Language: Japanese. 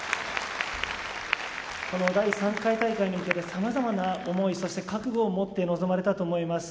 この第３回大会に向けてさまざまな思いそして覚悟を持って臨まれたと思います。